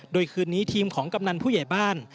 โดยคืนนี้ทีมของกำนันผู้ใหญ่บ้าน